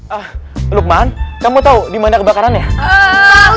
ah lukman kamu tahu dimana kebakarannya